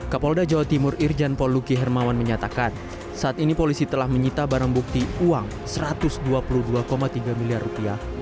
kapolda jawa timur irjen polluki hermawan menyatakan saat ini polisi telah menyita barang bukti uang satu ratus dua puluh dua tiga miliar rupiah